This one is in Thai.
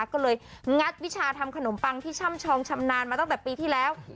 ก็เลยงัดวิชาทำขนมปังที่ช่ำชองชำนาญมาตั้งแต่ปีที่แล้ว